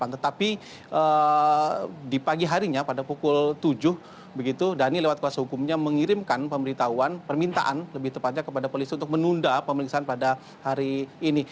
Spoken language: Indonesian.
tetapi di pagi harinya pada pukul tujuh begitu dhani lewat kuasa hukumnya mengirimkan pemberitahuan permintaan lebih tepatnya kepada polisi untuk menunda pemeriksaan pada hari ini